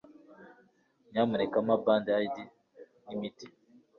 Nyamuneka mpa Band-Aid n'imiti.